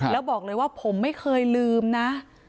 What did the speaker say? แล้วบอกเลยว่าผมไม่เคยลืมนะ